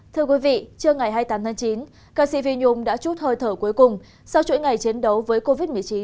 thưa quý vị trưa ngày hai mươi tám tháng chín ca sĩ vi nhung đã chút hơi thở cuối cùng sau chuỗi ngày chiến đấu với covid một mươi chín